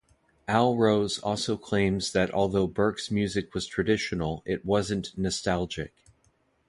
Al Rose also claims that although Burke's music was traditional it wasn't nostalgic.